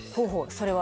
それは？